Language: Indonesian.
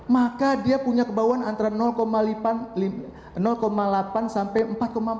maka dia punya kebauan antara delapan sampai empat empat